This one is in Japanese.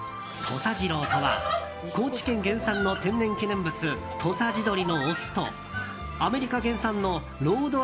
土佐ジローとは高知県原産の天然記念物土佐地鶏のオスとアメリカ原産のロード